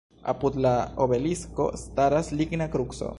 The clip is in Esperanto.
Apud la obelisko staras ligna kruco.